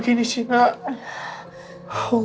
aku mau mengakhiri hidup aku gitu aja